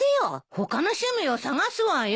他の趣味を探すわよ。